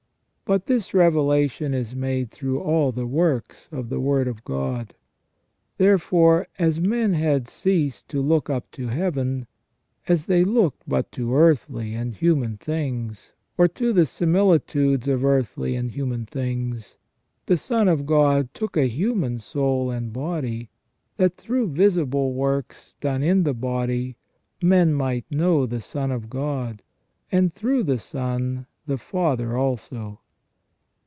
But this revelation is made through all the works of the Word of God. Therefore, as men had ceased to look up to Heaven : as they looked but to earthly and human things, or to the similitudes of earthly and human things, the Son 326 THE RESTORATION OF MAN. of God took a human soul and body, that through visible works done in the body men might know the Son of God, and through the Son the Father also.